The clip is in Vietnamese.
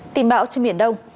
tìm bão trên biển đông